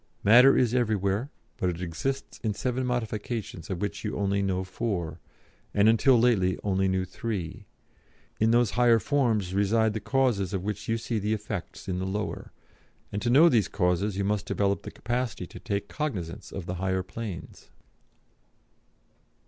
Matter is everywhere, but it exists in seven modifications of which you only know four, and until lately only knew three; in those higher forms reside the causes of which you see the effects in the lower, and to know these causes you must develop the capacity to take cognisance of the higher planes.'"